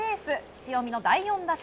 塩見の第４打席。